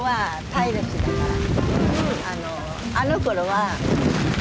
あのころは。